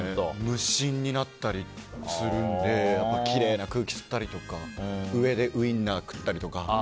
無心になったりするのできれいな空気を吸ったり上でウインナー食ったりとか。